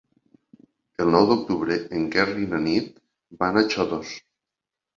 El nou d'octubre en Quer i na Nit van a Xodos.